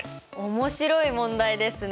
面白い問題ですね！